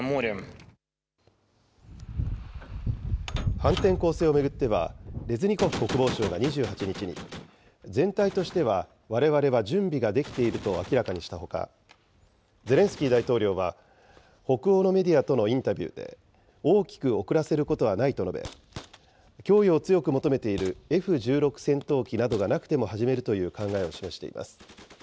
反転攻勢を巡っては、レズニコフ国防相が２８日に、全体としては、われわれは準備ができていると明らかにしたほか、ゼレンスキー大統領は北欧のメディアとのインタビューで、大きく遅らせることはないと述べ、供与を強く求めているＦ１６戦闘機などがなくても始めるという考えを示しています。